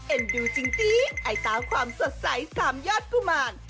เอ็นดูจริงไอ้ตาความสดใสสามญาติกุมาร